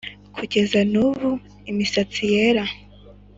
Kugeza n ' ubu imisatsi yera